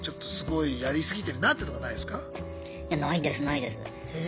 いやないですないです。え？